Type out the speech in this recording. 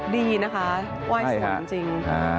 ดีนะคะว่ายสวยจริง